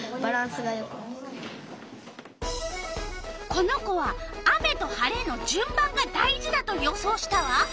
この子は雨と晴れのじゅん番が大事だと予想したわ。